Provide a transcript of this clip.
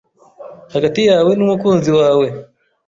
hagati yawe n’umukunzi wawe,